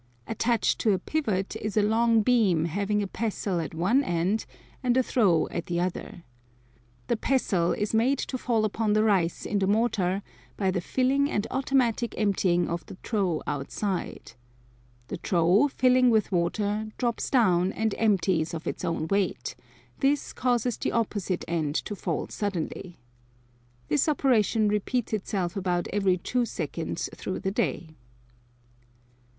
Attached to a pivot is a long beam having a pestle at one end and a trough at the other. The pestle is made to fall upon the rice in the mortar by the filling and automatic emptying of the trough outside. The trough, filling with water, drops down and empties of its own weight; this causes the opposite end to fall suddenly. This operation repeats itself about every two seconds through the day.